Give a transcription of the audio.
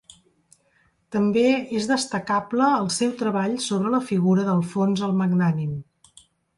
També és destacable el seu treball sobre la figura d'Alfons el Magnànim.